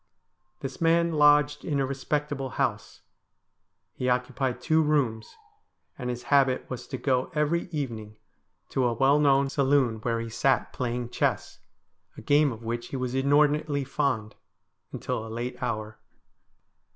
This man lodged in a respectable house. He occupied two rooms, and his habit was to go every evening to a well known 288 STORIES WEIRD AND WONDERFUL saloon, where lie sat playing chess — a game of which he was inordinately fond — until a late hour.